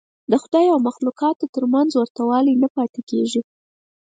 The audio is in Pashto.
د خدای او مخلوقاتو تر منځ ورته والی نه پاتې کېږي.